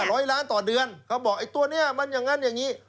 ร้อยล้านต่อเดือนเขาบอกไอ้ตัวเนี้ยมันอย่างนั้นอย่างนี้